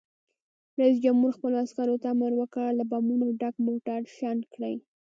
رئیس جمهور خپلو عسکرو ته امر وکړ؛ له بمونو ډک موټر شنډ کړئ!